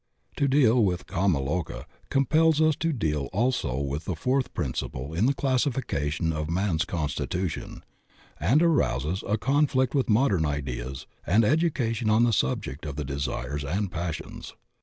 To deal with kama loka compels us to deal also with the fourth principle in the classification of man's con stitution, and arouses a conflict with modem ideas and education on the subject of the desires and passions.